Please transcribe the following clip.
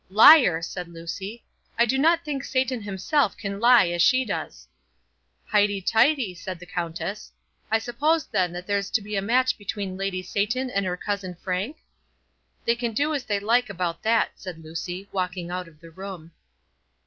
"Liar!" said Lucy. "I do not think Satan himself can lie as she does." "Heighty tighty," said the countess. "I suppose, then, there's to be a match between Lady Satan and her cousin Frank?" "They can do as they like about that," said Lucy, walking out of the room.